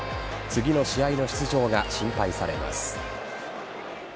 次の試合の出場が心配されます。